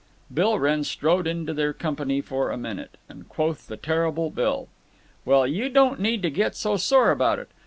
Bill Wrenn strode into their company for a minute, and quoth the terrible Bill: "Well, you don't need to get so sore about it.